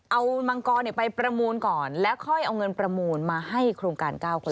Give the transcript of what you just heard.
เอามังกรไปประมูลก่อนแล้วค่อยเอาเงินประมูลมาให้โครงการ๙คน